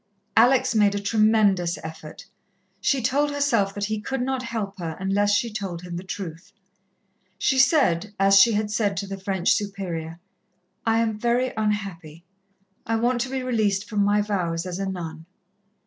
Alex made a tremendous effort. She told herself that he could not help her unless she told him the truth. She said, as she had said to the French Superior: "I am very unhappy I want to be released from my vows as a nun."